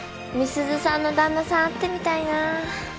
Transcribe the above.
美鈴さんの旦那さん会ってみたいなぁ。